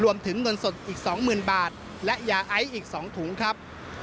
รวมถึงเงินสดอีกสองหมื่นบาทและยาไอ้อีกสองถุงครับ